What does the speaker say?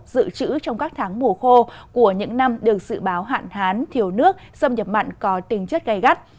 dự trữ trong các tháng mùa khô của những năm được dự báo hạn hán thiếu nước xâm nhập mặn có tính chất gây gắt